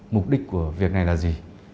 mục đích của việc này là gì